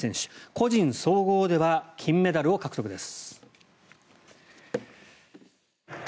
個人総合では金メダルを獲得です。